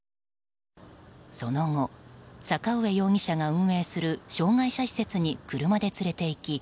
その後、坂上容疑者が運営する障害者施設に車で連れていき